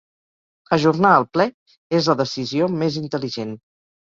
Ajornar el ple és la decisió més intel·ligent.